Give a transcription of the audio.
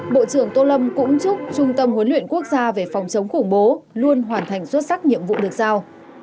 bộ trưởng tô lâm cũng chúc trung tâm huấn luyện quốc gia về phòng chống khủng bố luôn hoàn thành xuất sắc nhiệm vụ được giao